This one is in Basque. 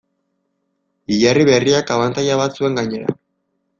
Hilerri berriak abantaila bat zuen gainera.